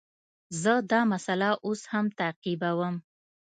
زه دا مسئله اوس هم تعقیبوم.